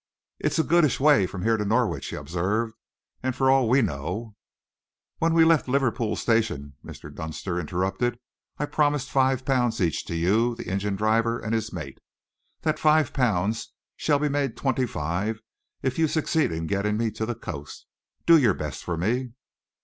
"It's a goodish way from here to Norwich," he observed, "and for all we know " "When we left Liverpool Street Station," Mr. Dunster interrupted, "I promised five pounds each to you, the engine driver, and his mate. That five pounds shall be made twenty five if you succeed in getting me to the coast. Do your best for me."